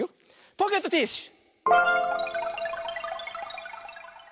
ポケットティッシュ！